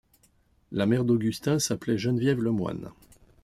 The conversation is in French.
La mère d'Augustin s'appelait Geneviève Le Moyne.